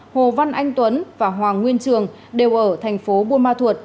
hồ văn anh tuấn và hoàng nguyên trường đều ở thành phố buôn ma thuột